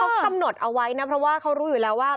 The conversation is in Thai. เขากำหนดเอาไว้นะเพราะว่าเขารู้อยู่แล้วว่า